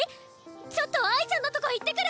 ちょっと愛ちゃんのとこ行ってくる！